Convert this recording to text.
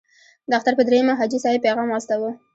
د اختر په دریمه حاجي صاحب پیغام واستاوه.